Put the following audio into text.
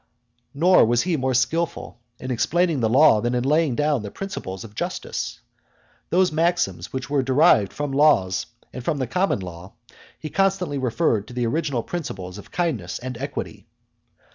Nor was he more skilful in explaining the law than in laying down the principles of justice. Those maxims which were derived from laws and from the common law, he constantly referred to the original principles of kindness and equity.